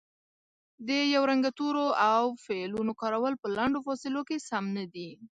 د یو رنګه تورو او فعلونو کارول په لنډو فاصلو کې سم نه دي